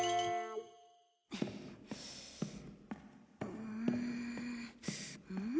うんうん？